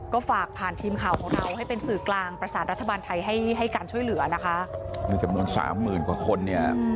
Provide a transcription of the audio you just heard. ก็ฝากทีมข่าวให้เราเป็นสู่กลางประสานรัฐบาลไทย